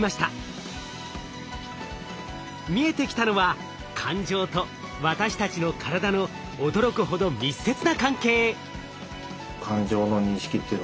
見えてきたのは感情と私たちの体の驚くほど密接な関係。